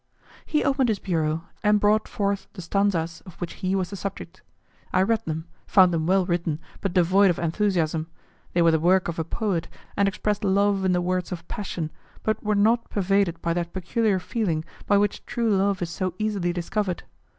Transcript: He opened his bureau and brought forth the stanzas of which he was the subject. I read them, found them well written, but devoid of enthusiasm; they were the work of a poet, and expressed love in the words of passion, but were not pervaded by that peculiar feeling by which true love is so easily discovered.